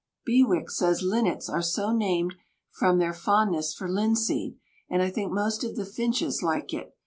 Bewick says linnets are so named from their fondness for linseed, and I think most of the finches like it.